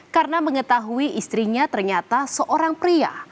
karena mengetahui istrinya ternyata seorang pria